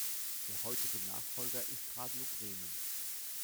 Der heutige Nachfolger ist Radio Bremen.